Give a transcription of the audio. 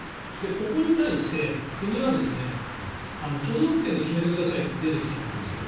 ここに対して、国は都道府県で決めてくださいって出てきたわけですよ。